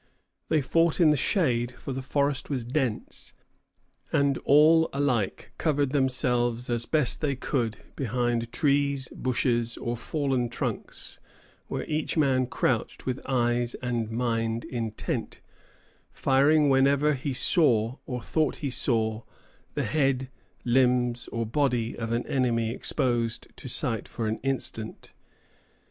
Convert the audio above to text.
They fought in the shade; for the forest was dense, and all alike covered themselves as they best could behind trees, bushes, or fallen trunks, where each man crouched with eyes and mind intent, firing whenever he saw, or thought he saw, the head, limbs, or body of an enemy exposed to sight for an instant.